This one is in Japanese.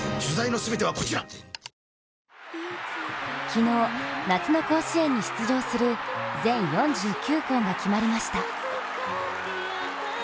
昨日、夏の甲子園に出場する全４９校が決まりました。